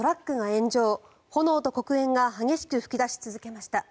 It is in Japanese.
炎と黒煙が激しく噴き出し続けました。